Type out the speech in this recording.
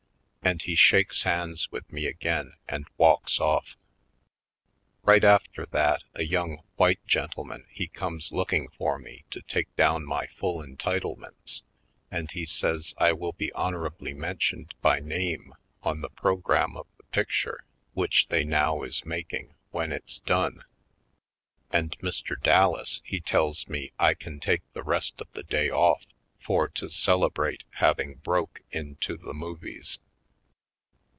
And he shakes hands with me again and walks off. Right after that a young white gentleman he comes looking for me to take down my full entitlements and he says I will be hon orably mentioned b)^ name on the program of the picture which they now is making, when it's done. And Mr. Dallas he tells me I can take the rest of the day off for to celebrate having broke into the movies.